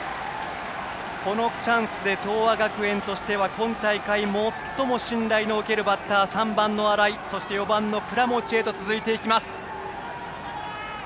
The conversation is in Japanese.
このチャンスで東亜学園としては今大会最も信頼の置けるバッター３番の荒居４番の倉持へと続いていきます。